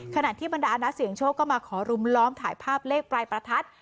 ขณะที่บรรดานักเสียงโชคก็มาขอรุมล้อมถ่ายภาพเลขปลายประทัด